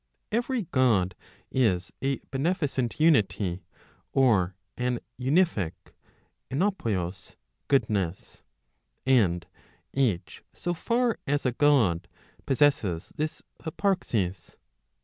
Every God is a beneficent unity or an unific («vojroiof) goodness; and each, so far as a God, possesses this hyparxis.